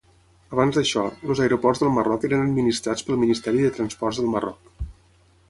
Abans d'això, els aeroports del Marroc eren administrats pel Ministeri de Transports del Marroc.